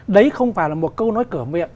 đấy không phải là một câu nói cửa miệng